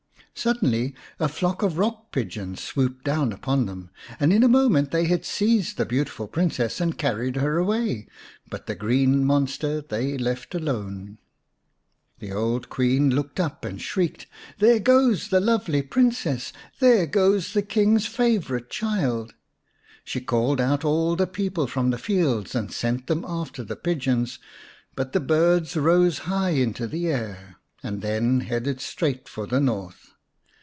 Suddenly a flock of rock pigeons swooped down upon them, and in a moment they had seized the beautiful Princess and carried her away, but the green monster they left alone. The old Queen looked up and shrieked, " There goes the lovely Princess ! There goes the King's favourite child !" She called out all the people from the fields and sent them after the pigeons. But the birds rose high into the air, and then headed straight for the North.